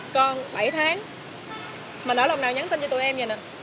con bảy tháng mình ở lòng nào nhắn tin cho tụi em vậy nè